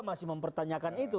masih mempertanyakan itu